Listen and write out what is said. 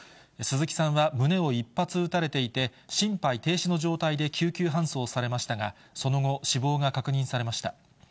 鈴木さんは胸を１発撃たれていて、心肺停止の状態で救急搬送されましたが、その後、死亡が確認されました。